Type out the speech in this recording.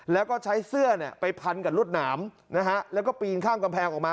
แล้วก็ใช้เสื้อไปพันกับรวดหนามนะฮะแล้วก็ปีนข้ามกำแพงออกมา